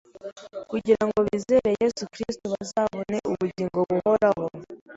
kugirango bizere Yesu Kristo bazabone ubugingo buhoraho.